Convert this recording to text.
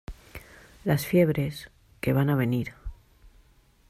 las fiebres, que van a venir.